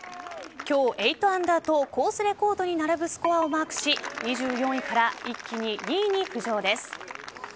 今日８アンダーとコースレコードに並ぶスコアをマークし２４位から一気に２位に浮上です。